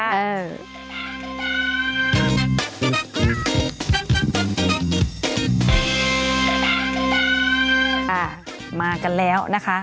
อ่ามากันแล้วนะคะ